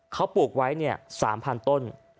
เขาปลูกไว้เนี่ย๓๐๐๐ต้น